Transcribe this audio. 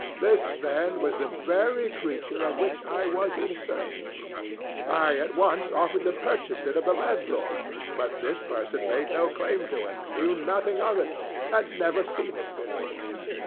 This, then, was the very creature of which I was in search. I at once offered to purchase it of the landlord; but this person made no claim to itŌĆöknew nothing of itŌĆöhad never seen it before.